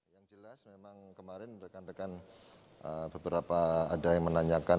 yang jelas memang kemarin rekan rekan beberapa ada yang menanyakan